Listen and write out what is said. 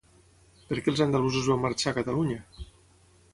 Per què els andalusos van marxar a Catalunya?